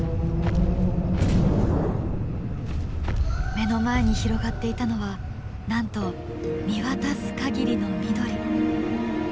目の前に広がっていたのはなんと見渡す限りの緑。